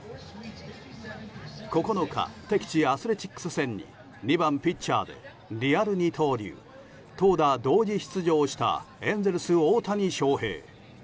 ９日、敵地アスレチックス戦に２番ピッチャーでリアル二刀流投打同時出場したエンゼルス大谷翔平。